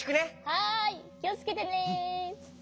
はいきをつけてね。